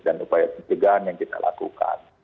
dan upaya pencegahan yang kita lakukan